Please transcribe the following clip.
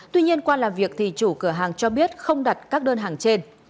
tuy nhiên qua làm việc thì chủ cửa hàng cho biết không đặt các đơn hàng trên